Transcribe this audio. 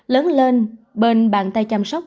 lớn lên bên bàn tay chăm sóc